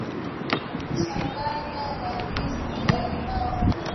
changanya na Juisi ya limao